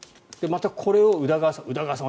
これをまた宇田川さん。